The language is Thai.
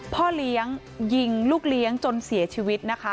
พ่อเลี้ยงยิงลูกเลี้ยงจนเสียชีวิตนะคะ